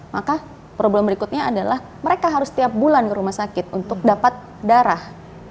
maka problem berikutnya adalah mereka harus setiap bulan ke rumah sakit untuk dapat darah